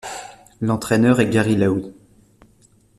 L'entraîneur est Gary Lowe.